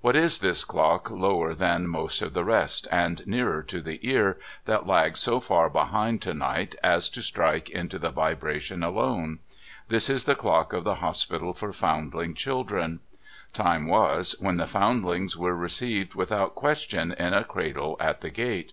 What is this clock lower than most of the rest, and nearer to the ear, that lags so far behind to night as to strike into the vibration alone ? This is the clock of the Hospital for Foundling Children. Time was, when the Foundlings were received without question in a cradle at the gate.